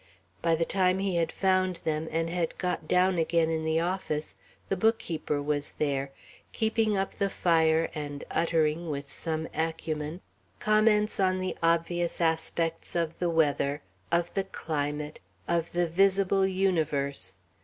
By the time he had found them and had got down again in the office, the bookkeeper was there, keeping up the fire and uttering, with some acumen, comments on the obvious aspects of the weather, of the climate, of the visible universe.